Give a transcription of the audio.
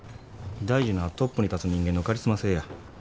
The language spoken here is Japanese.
大事なんはトップに立つ人間のカリスマ性や。